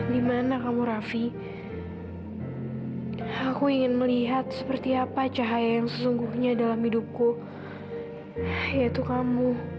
dimana kamu raffi aku ingin melihat seperti apa cahaya yang sesungguhnya dalam hidupku yaitu kamu